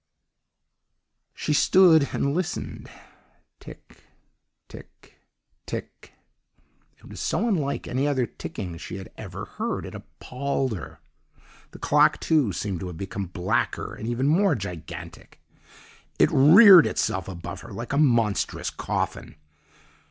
"She stood and listened. Tick! tick! tick! It was so unlike any other ticking she had ever heard, it appalled her. "The clock, too, seemed to have become blacker and even more gigantic. "It reared itself above her like a monstrous coffin.